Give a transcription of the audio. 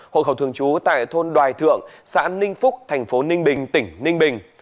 hộ khẩu thường trú tại thôn đoài thượng xã ninh phúc tp ninh bình tỉnh ninh bình